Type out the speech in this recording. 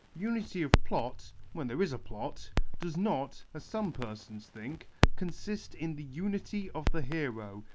... Unity of plot — when there is a plot — docs not, as some persons think, consist in the unity of the hero.